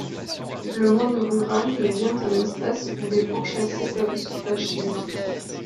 Le monde rural devient un espace où les pourchassés peuvent se cacher.